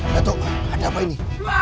dato ada apa ini